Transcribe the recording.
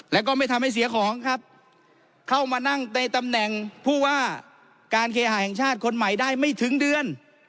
แล้วก็ไม่ทำให้เสียของครับเข้ามานั่งในตำแหน่งผู้ว่าการเคหาแห่งชาติคนใหม่ได้ไม่ถึงเดือน